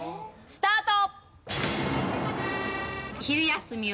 スタート！